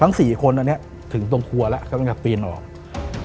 สี่คนตอนนี้ถึงตรงครัวแล้วกำลังจะปีนออก